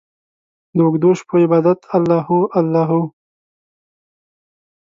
داوږدوشپو عبادته الله هو، الله هو